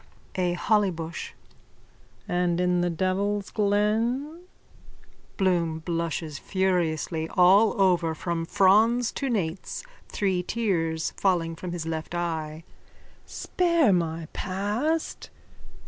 A HOLLYBUSH: And in the devil's glen? BLOOM: (Blushes furiously all over from frons to nates, three tears falling from his left eye.) Spare my past.